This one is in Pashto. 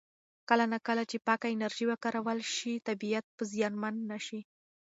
کله نا کله چې پاکه انرژي وکارول شي، طبیعت به زیانمن نه شي.